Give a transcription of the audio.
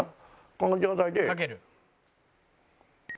この状態で。